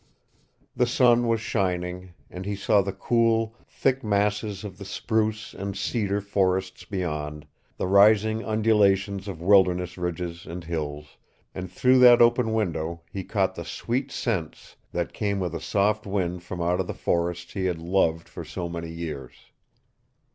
The sun was shining, and he saw the cool, thick masses of the spruce and cedar forests beyond, the rising undulations of wilderness ridges and hills, and through that open window he caught the sweet scents that came with a soft wind from out of the forests he had loved for so many years.